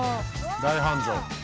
大繁盛。